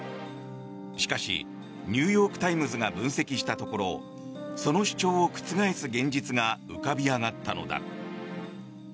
しかしニューヨーク・タイムズが分析したところその主張を覆す現実が浮かび上がったのだ。